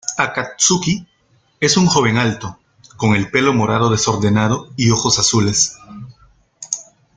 Akatsuki es un joven alto, con el pelo morado desordenado y ojos azules.